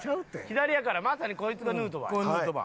左やからまさにこいつがヌートバー。